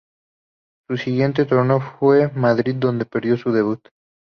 Su siguiente torneo fue Madrid donde perdió en su debut.